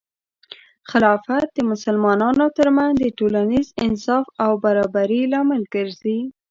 خلافت د مسلمانانو ترمنځ د ټولنیز انصاف او برابري لامل ګرځي.